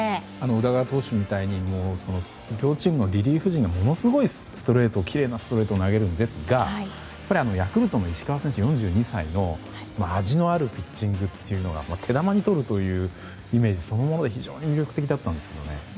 宇田川投手みたいに両チームのリリーフ陣がものすごいきれいなストレートを投げるんですが、やはりヤクルトの石川選手、４２歳の味のあるピッチングが手玉に取るというイメージそのもので非常に魅力的だったんですけどね。